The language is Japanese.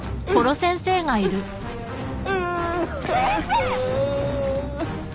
先生！